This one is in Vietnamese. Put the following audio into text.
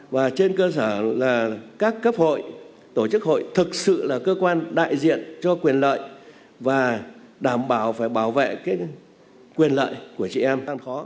và trên cơ sở là các cấp hội tổ chức hội thực sự là cơ quan đại diện cho quyền lợi và đảm bảo phải bảo vệ quyền lợi của chị em tan khó